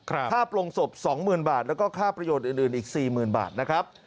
ค่าโปรงศพ๒๐๐๐บาทแล้วก็ค่าประโยชน์อื่นอีก๔๐๐๐บาทนะครับ